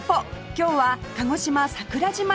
今日は鹿児島桜島へ